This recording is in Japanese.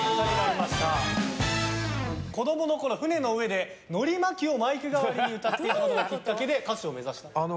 子供のころ、船の上でのり巻きをマイク代わりに歌っていたことがきっかけで歌手を目指した。